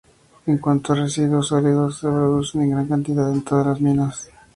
En cuanto a residuos sólidos, se producen en gran cantidad en todas las minas.